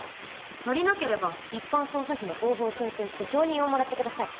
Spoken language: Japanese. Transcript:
足りなければ一般捜査費の交付を申請して承認をもらってください。